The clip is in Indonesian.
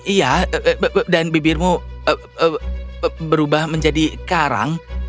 iya dan bibirmu berubah menjadi karang